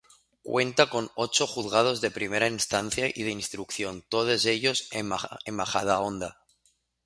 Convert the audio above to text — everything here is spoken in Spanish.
Cuenta con ocho juzgados de Primera Instancia y de Instrucción, todos ellos en Majadahonda.